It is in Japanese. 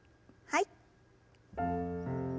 はい。